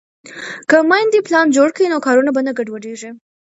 که میندې پلان جوړ کړي نو کارونه به نه ګډوډېږي.